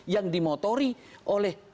yang dimotori oleh